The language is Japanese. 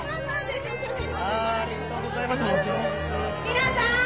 皆さん！